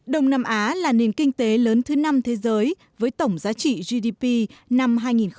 đông nam á là nền kinh tế lớn thứ năm thế giới với tổng giá trị gdp năm hai nghìn một mươi tám